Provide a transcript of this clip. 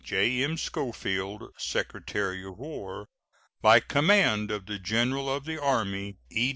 J.M. SCHOFIELD, Secretary of War. By command of the General of the Army: E.